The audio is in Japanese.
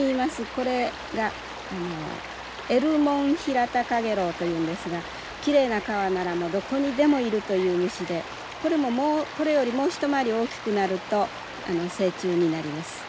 これがエルモンヒラタカゲロウというんですがきれいな川ならもうどこにでもいるという虫でこれもこれよりもう一回り大きくなると成虫になります。